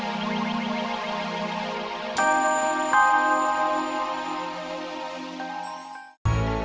untuk memiliki kekerasan